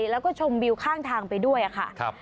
แล้วก็ชมวิวข้างทางไปด้วยค่ะ